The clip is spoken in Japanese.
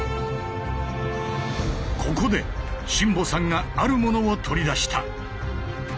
ここで新保さんがあるものを取り出した。